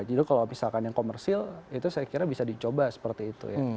jadi kalau misalkan yang komersil itu saya kira bisa dicoba seperti itu ya